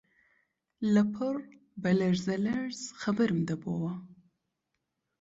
لەپڕ بە لەرزە لەرز خەبەرم دەبۆوە